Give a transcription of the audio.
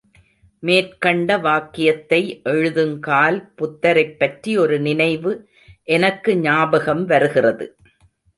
மேற்கண்ட வாக்கியத்தை எழுதுங்கால் புத்தரைப்பற்றி ஒரு நினைவு எனக்கு ஞாபகம் வருகிறது.